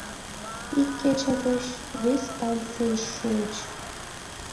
Ик кече гыч вес станцийыш шуыч.